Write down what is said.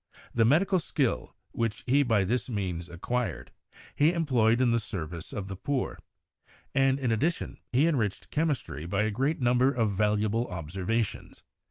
The medical skill, which he by this means acquired, he employed in the ser vice of the poor, and, in addition, he enriched chemistry by a great number of valuable observations.